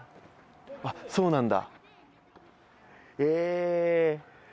あっそうなんだ。